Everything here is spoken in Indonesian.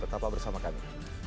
tetap bersama kami